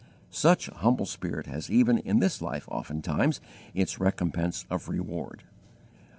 Such a humble spirit has even in this life oftentimes its recompense of reward.